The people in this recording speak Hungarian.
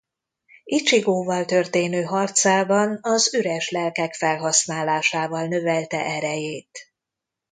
Icsigóval történő harcában az üres lelkek felhasználásával növelte erejét.